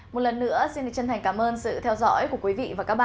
một lần nữa xin được chân thành cảm ơn sự theo dõi của quý vị và các bạn